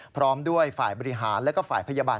พร้อมด้วยฝ่ายบริหารและฝ่ายพยาบาล